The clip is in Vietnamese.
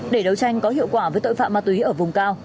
để đấu tranh có hiệu quả với tội phạm ma túy ở vùng cao